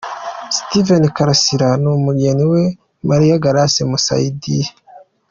Steven Karasira n'umugeni we Marie Grace Musayidire.